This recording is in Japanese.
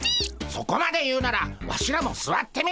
そこまで言うならワシらもすわってみるでゴンス。